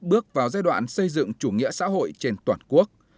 bước vào giai đoạn xây dựng chủ nghĩa xã hội trên toàn quốc